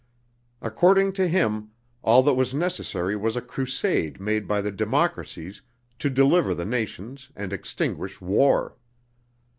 According to him, all that was necessary was a crusade made by the democracies to deliver the nations and extinguish war.